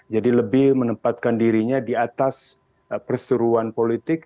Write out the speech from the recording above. jadi lebih menempatkan dirinya di atas perseruan politik